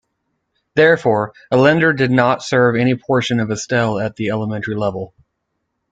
Therefore, Ellender did not serve any portions of Estelle at the elementary level.